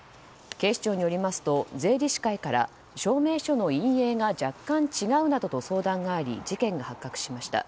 警視庁によりますと税理士会から、証明書の印影が若干違うなどと相談があり事件が発覚しました。